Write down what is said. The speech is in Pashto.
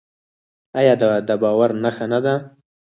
آیا دا د باور نښه نه ده؟